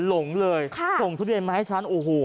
หลงทุเรียนมาให้ฉันโอ้โห